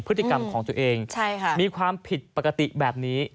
พฤติกรรมของตัวเองมีความผิดปกติแบบนี้